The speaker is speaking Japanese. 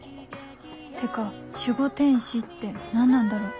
ってか守護天使って何なんだろう？